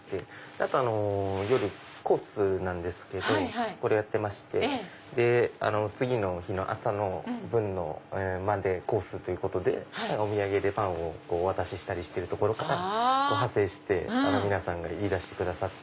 あと夜コースなんですけどやってまして次の日の朝の分までコースということでお土産でパンをお渡ししてるとこから派生して皆さんが言いだしてくださって。